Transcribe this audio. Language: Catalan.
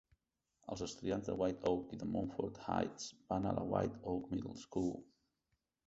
Els estudiants de White Oak i de Monfort Heights van a la White Oak Middle School.